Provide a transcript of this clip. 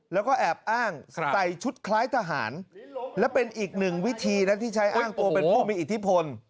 แล้วก็แอบอ้างใส่ชุดคล้ายทหารและเป็นอีกหนึ่งวิธีนะที่ใช้อ้างตัวเป็นผู้มีอิทธิพล